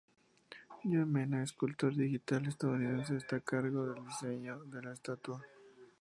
Joe Menna, escultor digital estadounidense, está a cargo del diseño de la estatua.